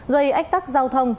gây ách tắc giao thông